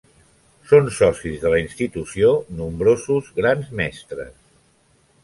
Són socis de la institució nombrosos Grans Mestres.